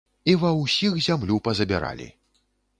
І ва ўсіх зямлю пазабіралі.